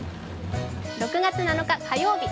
６月７日火曜日。